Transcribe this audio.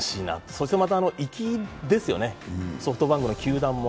そしてまた粋ですよね、ソフトバンクの球団も。